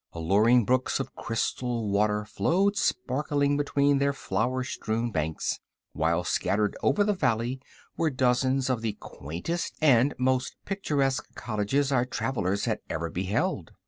Alluring brooks of crystal water flowed sparkling between their flower strewn banks, while scattered over the valley were dozens of the quaintest and most picturesque cottages our travelers had ever beheld.